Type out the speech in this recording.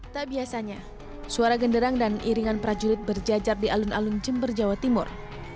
tak biasanya suara genderang dan iringan prajurit berjajar di alun alun jember jawa timur